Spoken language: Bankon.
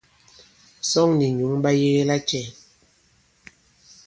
Sᴐŋ nì nyǔŋ ɓa yege lacɛ̄?